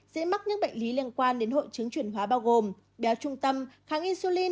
dễ mắc những bệnh lý liên quan đến hội chứng chuyển hóa bao gồm béo trung tâm kháng insulin